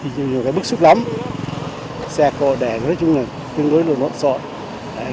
nhiều nhiều cái bức xúc lắm xe cộ đẻ nói chung là tương đối lùi mộng sội